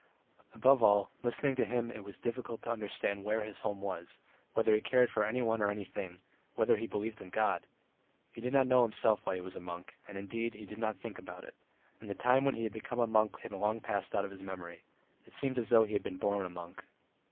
Above all, listening to him it was difficult to understand where his home was, whether he cared for anyone or anything, whether he believed in God. ... He did not know himself why he was a monk, and, indeed, he did not think about it, and the time when he had become a monk had long passed out of his memory; it seemed as though he had been born a monk.